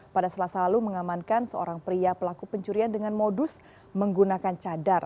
pada selasa lalu mengamankan seorang pria pelaku pencurian dengan modus menggunakan cadar